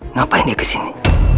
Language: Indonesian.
ngapain dia kesini